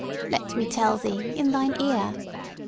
Let me tell thee in thine ear!